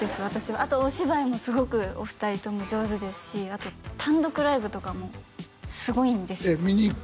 私はあとお芝居もすごくお二人とも上手ですしあと単独ライブとかもすごいんですよえ